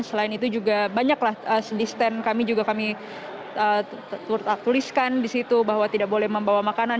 selain itu juga banyaklah di stand kami juga kami tuliskan di situ bahwa tidak boleh membawa makanan